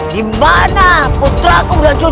dimana putraku dan cucuku